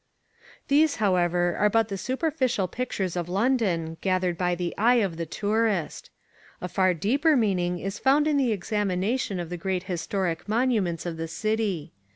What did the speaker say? These, however, are but the superficial pictures of London, gathered by the eye of the tourist. A far deeper meaning is found in the examination of the great historic monuments of the city.